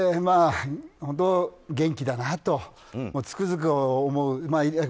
本当、元気だなとつくづく思う。